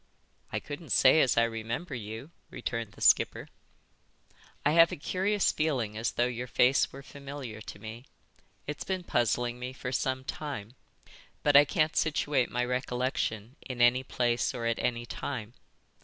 "I couldn't say as I remember you," returned the skipper. "I have a curious feeling as though your face were familiar to me. It's been puzzling me for some time. But I can't situate my recollection in any place or at any time."